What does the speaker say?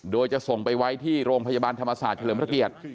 โดยจะส่งไปไว้ที่โรงพยาบาลธรรมศาสตร์เฉลิมพระเกียรติ